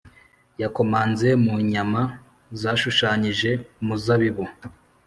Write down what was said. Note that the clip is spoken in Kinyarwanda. yakomanze mu nyama zashushanyije umuzabibu,